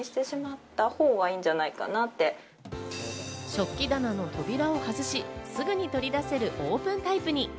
食器棚の扉を外し、すぐに取り出せるオープンタイプに。